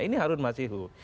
ini harun masihuh